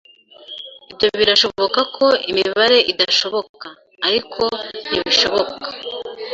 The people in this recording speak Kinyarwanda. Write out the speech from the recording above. Ibyo birashoboka ko imibare idashoboka, ariko ntibishoboka.